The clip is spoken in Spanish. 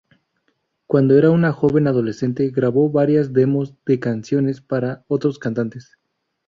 Cuando era una joven adolescente grabó varias demos de canciones para otros cantantes.